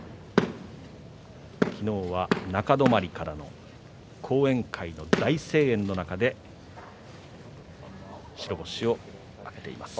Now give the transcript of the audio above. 昨日は中泊からの後援会の大声援の中で白星を挙げています。